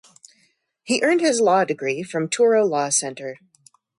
He earned his law degree from Touro Law Center.